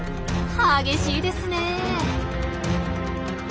激しいですねえ。